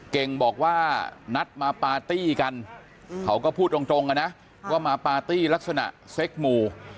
เก่งบอกว่านัดมาปาร์ตี้กันเขาก็พูดตรงนะว่ามาปาร์ตี้ลักษณะเซ็กหมู่